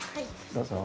どうぞ。